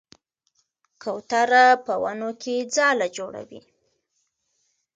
کوتره په ونو کې ځاله جوړوي.